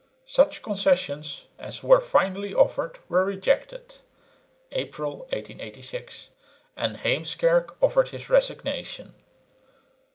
Such concessions as were finally offered were rejected (April, 1886), and Heemskerk offered his resignation.